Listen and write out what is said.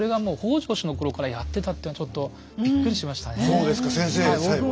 そうですか先生さえも。